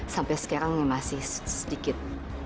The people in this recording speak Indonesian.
sampai sekarang masih sedikit